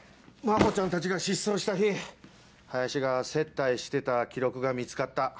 真帆ちゃんたちが失踪した日林が接待してた記録が見つかった。